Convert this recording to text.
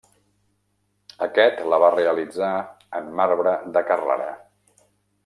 Aquest la va realitzar en marbre de Carrara.